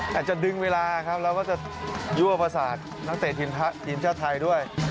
แต่จะดึงเวลาครับแล้วก็จะยั่วประสาทนักเตะทีมชาติไทยด้วย